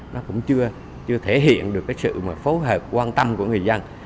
nó cũng chưa thể hiện được sự phối hợp quan tâm của người dân